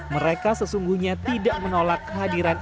mereka sesungguhnya tidak menolak kehadiran